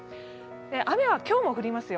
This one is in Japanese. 雨は今日も降りますよ。